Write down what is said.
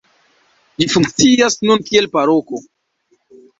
Ĝi funkcias nun kiel paroko.